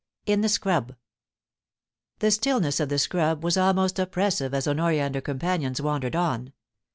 IN THE SCRUB. The stillness of the scrub was almost oppressive as Honoria and her companions wandered on.